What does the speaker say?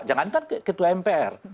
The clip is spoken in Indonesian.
jangankan ketua mpr